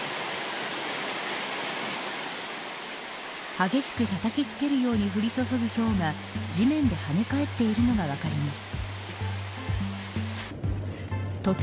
激しくたたきつけるように降り注ぐひょうが地面に跳ね返っているのが分かります。